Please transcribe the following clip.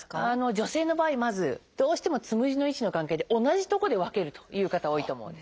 女性の場合まずどうしてもつむじの位置の関係で同じとこで分けるという方多いと思うんです。